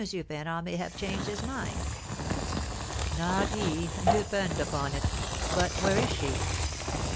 Ferrand may have changed his mind." "Not he, depend upon it! But where is she?"